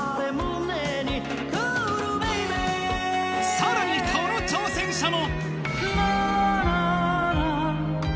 さらに、この挑戦者も。